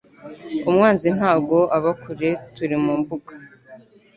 umwanzi ntago aba kure turi mumbuga